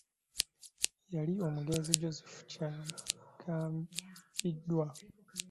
Yali omugenzi Joseph Kyagambiddwa.